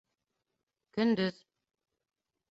Көндөҙ